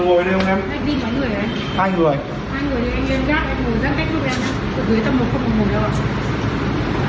hai người thì em ra em ngồi ra cách lúc em